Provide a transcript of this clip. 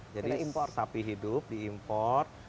jadi sapi hidup diimport